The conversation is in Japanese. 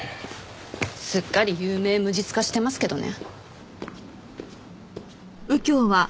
すっかり有名無実化してますけどね。